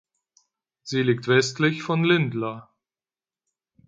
Sie liegt westlich von Lindlar.